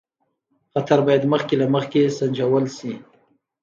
خطر باید مخکې له مخکې سنجول شي.